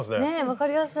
分かりやすい！